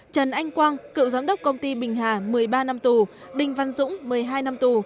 trần anh quang cựu giám đốc công ty bình hà một mươi ba năm tù đinh văn dũng một mươi hai năm tù